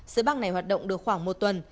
sới băng này hoạt động được khoảng một tuần